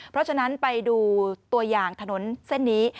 เพราะฉะนั้นไปดูตัวอย่างถนนเส้นนี้